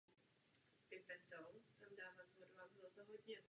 Během pobytu ve Velké Británii si ho všiml krajan Jack Brabham.